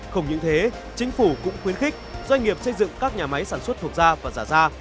không những thế chính phủ cũng khuyến khích doanh nghiệp xây dựng các nhà máy sản xuất thuộc da và giả da